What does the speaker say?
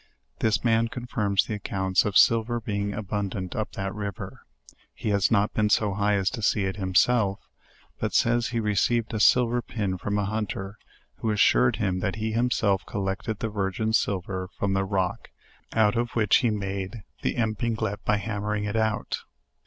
This man confirms the accounts of silver being abundant up that river: he has not been so high as to see it himself,, but says, he received a silver pin from a hunter, who assured him that he himself collected the virgin silver from the rock, out of which he made the epinglete by hammering it out.